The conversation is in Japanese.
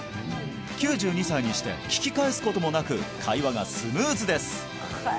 ９２歳にして聞き返すこともなく会話がスムーズですへえ